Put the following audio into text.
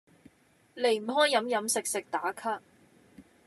離唔開飲飲食食打卡